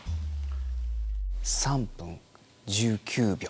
３分１９秒。